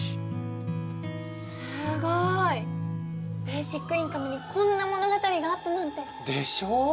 ベーシックインカムにこんな物語があったなんて。でしょう！